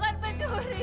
saya bukan penjuri